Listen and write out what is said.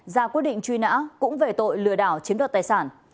ra quyết định truy nã cũng về tội lừa đảo chiếm đoạt tài sản